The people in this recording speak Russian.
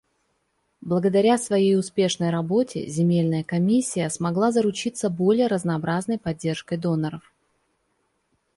Благодаря своей успешной работе Земельная комиссия смогла заручиться более разнообразной поддержкой доноров.